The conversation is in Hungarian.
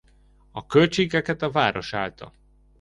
A költségeket a város állta.